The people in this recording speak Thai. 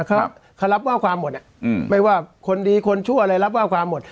เขารับว่าความหมดไม่ว่าคนดีคนชั่วอะไรรับว่าความหมด